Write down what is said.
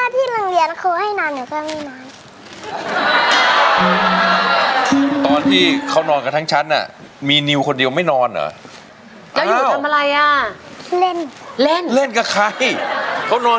เพราะว่าที่รังเวียนเขาให้นานก็ไม่นอน